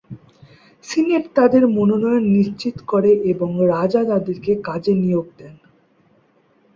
Senate তাদের মনোনয়ন নিশ্চিত করে এবং রাজা তাদেরকে কাজে নিয়োগ দেন।